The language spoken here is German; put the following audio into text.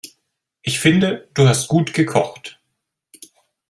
Ich finde, du hast gut gekocht.